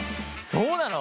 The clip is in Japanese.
そうなの！？